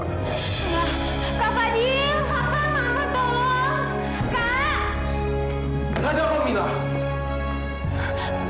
kak taufan kak taufan tolong